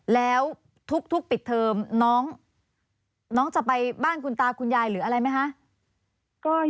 แล้วทุกปิดเทอมน้องจะไปบ้านคุณตาคุณยายหรืออะไรไหมคะ